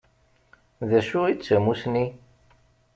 D acu i d tamusni?